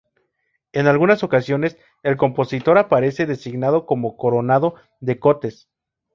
En algunas ocasiones, el compositor aparece designado como Coronado de Cotes.